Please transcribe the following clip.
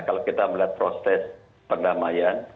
kalau kita melihat proses perdamaian